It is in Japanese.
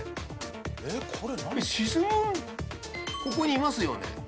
ここにいますよね？